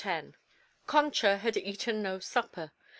X Concha had eaten no supper.